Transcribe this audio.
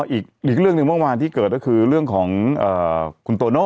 อีกเรื่องหนึ่งเมื่อวานที่เกิดก็คือเรื่องของคุณโตโน่